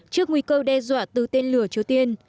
trước nguy cơ đe dọa từ tên lửa triều tiên